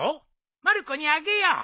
まる子にあげよう。